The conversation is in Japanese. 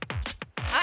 あ！